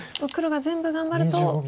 黒が全部頑張ると。